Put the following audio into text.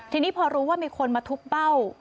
ทีนี้พอรู้ว่ามีคนมาทุบเบ้า